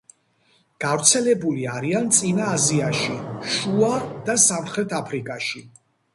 გავრცელებული არიან წინა აზიაში, შუა და სამხრეთ აფრიკაში.